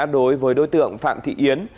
đối với đối tượng phạm thị yên